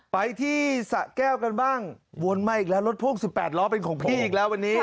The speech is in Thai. ไปที่สะแก้วกันบ้างวนมาอีกแล้วรถพ่วง๑๘ล้อเป็นของพี่อีกแล้ววันนี้